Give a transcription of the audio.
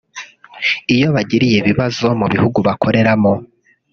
iyo bagiriye ibibazo mu bihugu bakoreramo